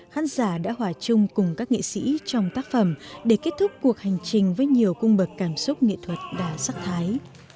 khán giả đã hòa chung cùng các nghệ sĩ trong tác phẩm để kết thúc cuộc hành trình với nhiều cung bậc cảm xúc nghệ thuật đa sắc thái